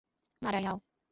Maraial